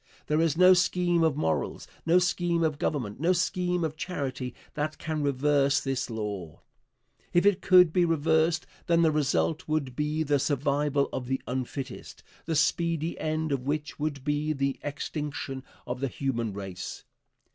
There is no scheme of morals, no scheme of government, no scheme of charity, that can reverse this law. If it could be reversed, then the result would be the survival of the unfittest, the speedy end of which would be the extinction of the human race.